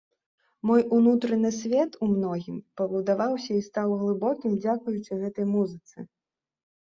Мой унутраны свет ў многім пабудаваўся і стаў глыбокім дзякуючы гэтай музыцы.